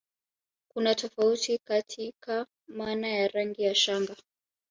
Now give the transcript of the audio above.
Kuna tofauti katika maana ya rangi ya shanga